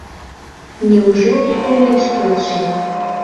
Неужели огеш келше